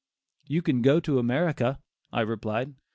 "You can go to America," I replied.